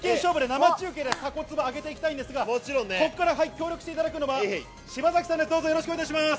生中継でタコツボを揚げていきたいんですが、ここからご協力いただくのは柴崎さんです。